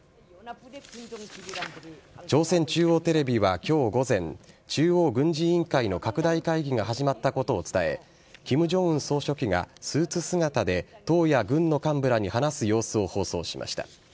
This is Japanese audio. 朝鮮中央テレビは今日午前中央軍事委員会の拡大会議が始まったことを伝え金正恩総書記がスーツ姿で党や軍の幹部らに話す様子を放送しました。